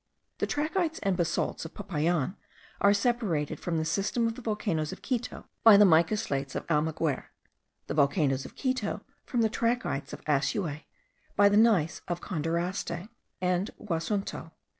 The trachytes and basalts of Popayan are separated from the system of the volcanoes of Quito by the mica slates of Almaguer; the volcanoes of Quito from the trachytes of Assuay by the gneiss of Condorasta and Guasunto.